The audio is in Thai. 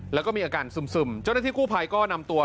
แล้วก็มีอาการซึมเจ้าหน้าที่กู้ภัยก็นำตัว